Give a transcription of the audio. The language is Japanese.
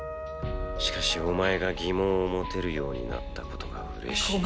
しかしお前が疑問を持てるようになったことが嬉しい。